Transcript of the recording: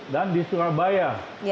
dan di surabaya